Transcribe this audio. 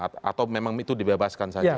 atau memang itu dibebaskan saja